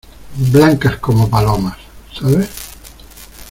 blancas como palomas. ¿ sabe?